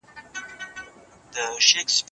نور سازمانونه هم سياسي فعاليتونه لري.